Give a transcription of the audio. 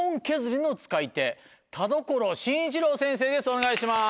お願いします。